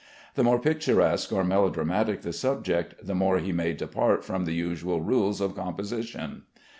The more picturesque or melodramatic the subject, the more he may depart from the usual rules of composition.